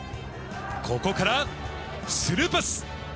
ここからスルーパス。